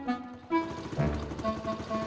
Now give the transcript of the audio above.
nih kasih bang ujak